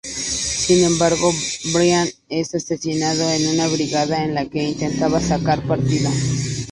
Sin embargo, Bryan es asesinado en una brigada en la que intentaba sacar partido.